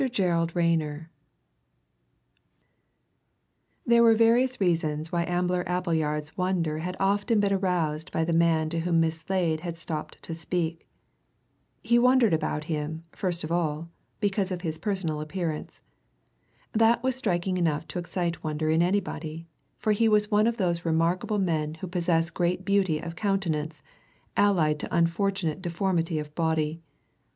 GERALD RAYNER There were various reasons why Ambler Appleyard's wonder had often been aroused by the man to whom Miss Slade had stopped to speak. He wondered about him, first of all, because of his personal appearance. That was striking enough to excite wonder in anybody, for he was one of those remarkable men who possess great beauty of countenance allied to unfortunate deformity of body.